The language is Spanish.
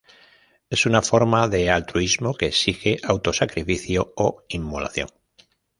Es una forma de altruismo que exige autosacrificio o inmolación.